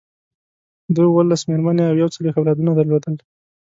ده اوولس مېرمنې او یو څلویښت اولادونه درلودل.